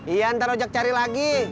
iya ntar ojek cari lagi